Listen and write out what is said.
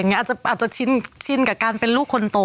อาจจะชินกับการเป็นลูกคนโต